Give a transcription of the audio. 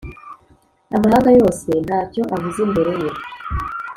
Amahanga yose nta cyo avuze imbere ye ;